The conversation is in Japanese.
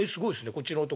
こっちの男。